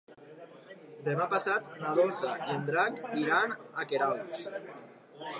Demà passat na Dolça i en Drac iran a Queralbs.